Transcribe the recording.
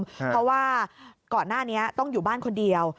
เพราะว่าก่อนหน้านี้ต้องอยู่บ้านคนเดียว